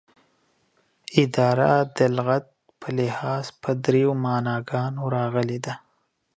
اداره دلغت په لحاظ په دریو معناګانو راغلې ده